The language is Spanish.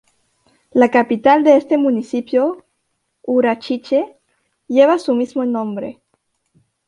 La capital de este municipio, Urachiche, lleva su mismo nombre.